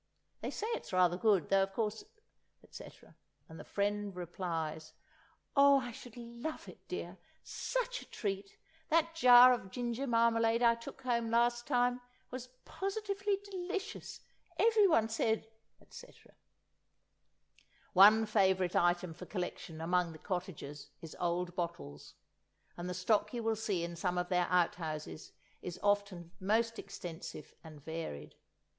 They say it's rather good, though of course—etc." And the friend replies: "Oh, I should love it, dear; such a treat; that jar of ginger marmalade I took home last time was positively delicious. Everyone said—etc." One favourite item for collection among the cottagers is old bottles, and the stock you will see in some of their outhouses is often most extensive and varied.